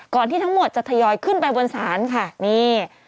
ที่ทั้งหมดจะทยอยขึ้นไปบนศาลค่ะนี่